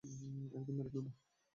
একদম মেরে ফেলব!